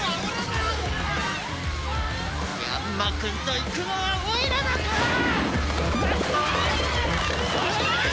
ヤンマくんと行くのはおいらだコラァ！